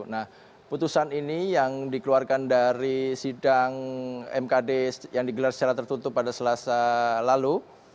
nah putusan ini yang dikeluarkan dari sidang mkd yang digelar secara tertutup pada selasa lalu